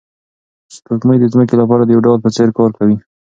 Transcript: سپوږمۍ د ځمکې لپاره د یو ډال په څېر کار کوي.